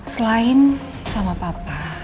selain sama papa